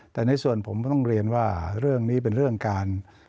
แต่ในส่วนผมก็ต้องเรียนว่าเรื่องนี้เป็นเรื่องการ